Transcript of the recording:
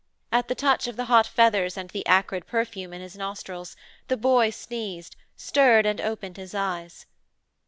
At the touch of the hot feathers and the acrid perfume in his nostrils, the boy sneezed, stirred and opened his eyes.